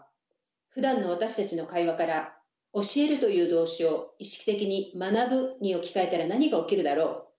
ふだんの私たちの会話から「教える」という動詞を意識的に「学ぶ」に置き換えたら何が起きるだろう？